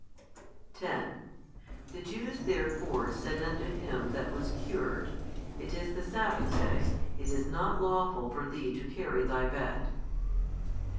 10 The Jews therefore said unto him that was cured, It is the sabbath day, it is not lawful for thee to carry thy bed.